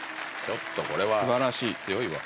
ちょっとこれは強いわ。